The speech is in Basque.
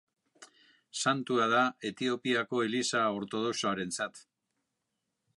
Santua da Etiopiako Eliza Ortodoxoarentzat.